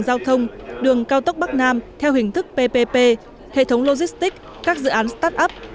giao thông đường cao tốc bắc nam theo hình thức ppp hệ thống logistic các dự án start up